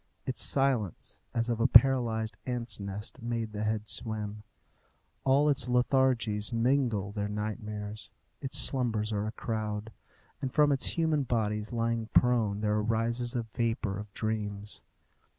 Its silence, as of a paralyzed ants' nest, makes the head swim. All its lethargies mingle their nightmares, its slumbers are a crowd, and from its human bodies lying prone there arises a vapour of dreams.